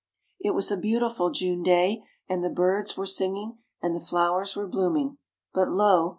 "It was a beautiful June day, and the birds were singing, and the flowers were blooming; but, lo!